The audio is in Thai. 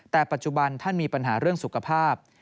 แต่ปัจจุบันท่านมีปัญหาเรื่องสุขภาพ